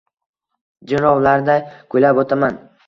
jirovlarday kuylab oʼtaman.